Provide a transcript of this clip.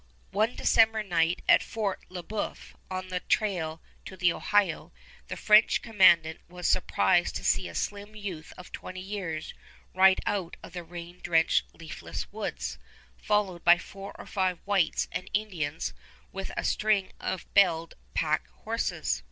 One December night at Fort Le Boeuf, on the trail to the Ohio, the French commandant was surprised to see a slim youth of twenty years ride out of the rain drenched, leafless woods, followed by four or five whites and Indians with a string of belled pack horses.